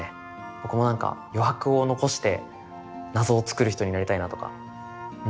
僕もなんか余白を残して謎を作る人になりたいなとか。